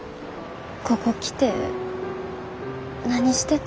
ここ来て何してたん？